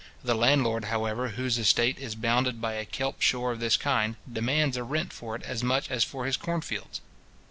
The landlord, however, whose estate is bounded by a kelp shore of this kind, demands a rent for it as much as for his corn fields.